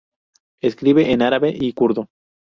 Escribe en árabe y kurdo.